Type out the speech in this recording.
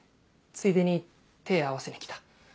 ついでに手合わせに来た。